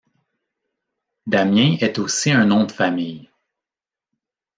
Damien est aussi un nom de famille.